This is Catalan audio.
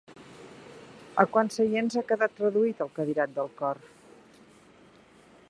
A quants seients ha quedat reduït el cadirat del cor?